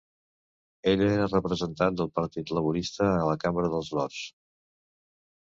Ella era representant del Partit Laborista a la Cambra dels Lords.